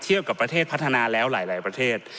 กับประเทศพัฒนาแล้วหลายประเทศ